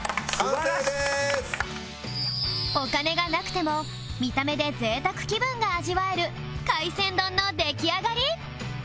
お金がなくても見た目で贅沢気分が味わえる海鮮丼の出来上がり